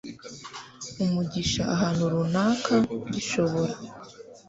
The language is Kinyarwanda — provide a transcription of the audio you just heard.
umugisha ahantu runaka gishobora